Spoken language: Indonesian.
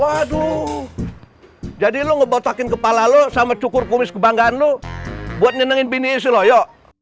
waduh jadi lu ngebotakin kepala lu sama cukur kumis kebanggaan lu buat nyenengin bini isi lo